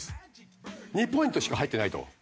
２ポイントしか入ってないと。